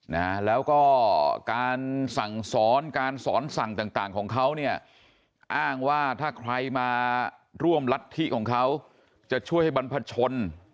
นะแล้วก็การสั่งสอนการสอนสั่งต่างต่างของเขาเนี่ยอ้างว่าถ้าใครมาร่วมรัฐธิของเขาจะช่วยให้บรรพชน